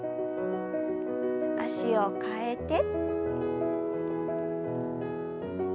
脚を替えて。